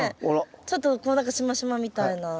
ちょっとこう何かしましまみたいな。